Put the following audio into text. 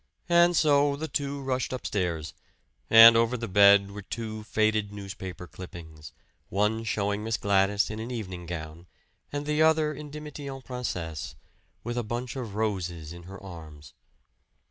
And so the two rushed upstairs; and over the bed were two faded newspaper clippings, one showing Miss Gladys in an evening gown, and the other in dimity en princesse, with a bunch of roses in her arms.